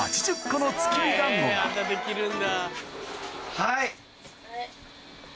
・はい！